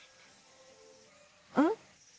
うん？